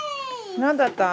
何だった？